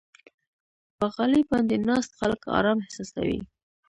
په غالۍ باندې ناست خلک آرام احساسوي.